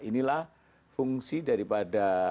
inilah fungsi daripada